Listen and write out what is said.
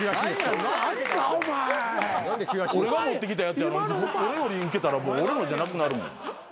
俺が持ってきたやつやのに俺よりウケたらもう俺のじゃなくなるもん。